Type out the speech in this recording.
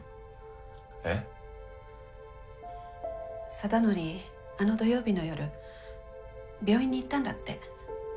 貞則あの土曜日の夜病院に行ったんだって。